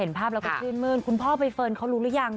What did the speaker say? ภาพแล้วก็ชื่นมื้นคุณพ่อใบเฟิร์นเขารู้หรือยัง